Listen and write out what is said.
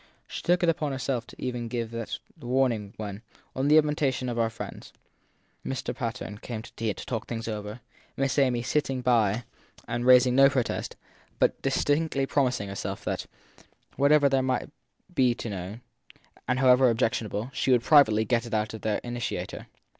She took upon herself even to give him that warning when, on the invitation of our friends, Mr. Patten came to tea and to talk things over; Miss Amy sitting by and raising no protest, but distinctly promising herself that, whatever there might be to be known, and however ob jectionable, she would privately get it out of their initiator.